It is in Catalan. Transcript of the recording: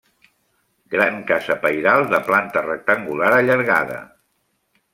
Gran casa pairal de planta rectangular allargada.